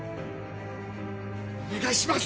お願いします！